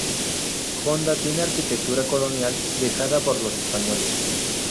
Honda tiene arquitectura colonial dejada por los españoles.